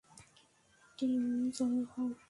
Team, জড়ো হ্ও।